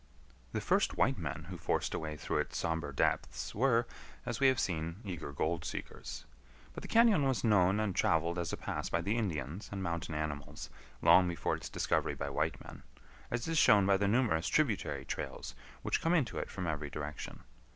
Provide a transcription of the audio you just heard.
The first white men who forced a way through its somber depths were, as we have seen, eager gold seekers. But the cañon was known and traveled as a pass by the Indians and mountain animals long before its discovery by white men, as is shown by the numerous tributary trails which come into it from every direction.